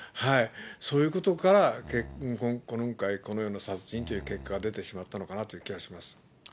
そういうことから、今回、このような殺人という結果が出てしまったのかなという気がします。